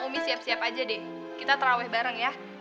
umi siap siap aja deh kita terawih bareng ya